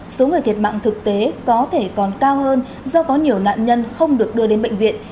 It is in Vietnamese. số người thiệt mạng thực tế có thể còn cao hơn do có nhiều nạn nhân không được đưa đến bệnh viện